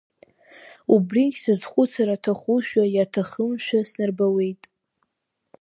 Убригь сызхәыцыр аҭахушәа, иаҭахымшәа снарбауеит…